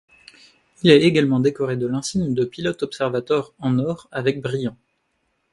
Il est également décoré de l'insigne de pilote-observateur en or avec brillants.